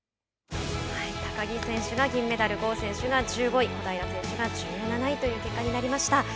高木選手が銀メダル郷選手が１５位小平選手が１７位という結果になりました。